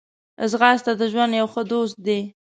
ځغاسته د ژوند یو ښه دوست دی